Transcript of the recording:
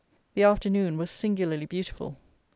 The afternoon was singularly beautiful.